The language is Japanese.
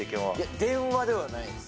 電話ではないです。